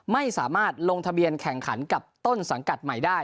ไม่สามารถลงทะเบียนแข่งขันกับต้นสังกัดใหม่ได้